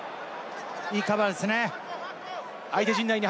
いいカバーですね。